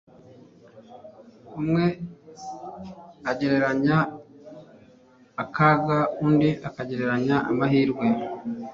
umwe agereranya akaga undi agereranya amahirwe.s